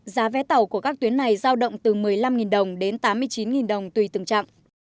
giá vé tàu của các tuyến này giao động từ một mươi năm đồng đến tám mươi chín đồng tùy từng chặng